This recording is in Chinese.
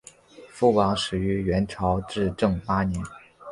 副榜始于元朝至正八年。